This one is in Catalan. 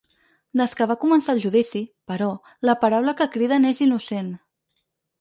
Des que va començar el judici, però, la paraula que criden és ‘innocent’.